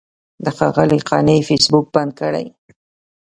د ښاغلي قانع فیسبوک بند کړی.